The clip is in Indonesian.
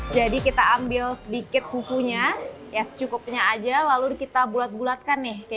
jadi kita ambil sedikit fufunya ya secukupnya aja lalu kita bulat bulatkan nih kayak gini